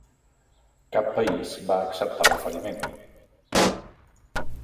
Cap país va acceptar l'oferiment.